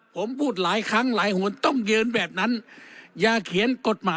ผมพูดหลายครั้งหลายห่วงต้องยืนแบบนั้น